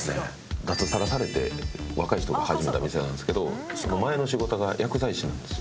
脱サラされて若い人が始めた店なんですけど前の仕事が薬剤師なんですよ。